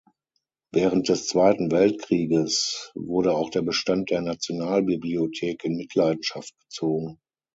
Während des Zweiten Weltkrieges wurde auch der Bestand der Nationalbibliothek in Mitleidenschaft gezogen.